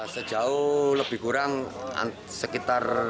sejauh lebih kurang sekitar